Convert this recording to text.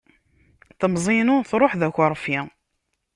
Temẓi inu truḥ d akeṛfi.